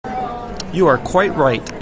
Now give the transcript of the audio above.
You are quite right.